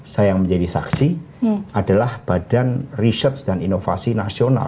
saya yang menjadi saksi adalah badan riset dan inovasi nasional